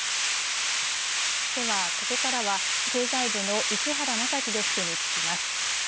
ではここからは経済部の市原将樹デスクに聞きます。